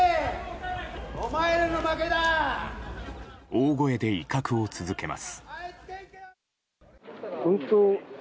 大声で威嚇を続けます。